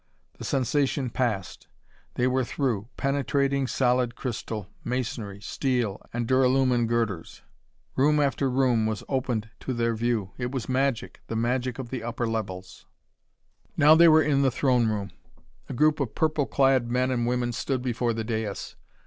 The sensation passed. They were through, penetrating solid crystal, masonry, steel and duralumin girders. Room after room was opened to their view. It was magic the magic of the upper levels. Now they were in the throne room. A group of purple clad men and women stood before the dais.